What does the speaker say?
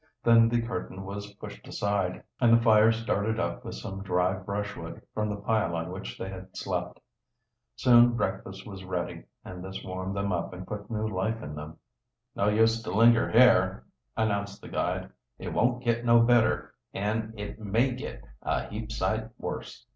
Then the curtain was pushed aside, and the fire started up with some dry brushwood from the pile on which they had slept. Soon breakfast was ready, and this warmed them up and put new life in them. "No use to linger here," announced the guide. "It won't git no better an' it may git a heap sight worse.